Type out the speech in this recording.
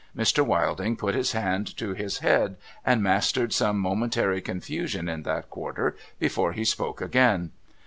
Mr. Wilding put his hand to his head, and mastered some momentary confusion in that quarter, before he spoke again.